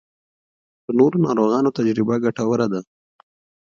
د نورو ناروغانو تجربه ګټوره ده.